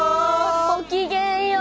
ごきげんよう！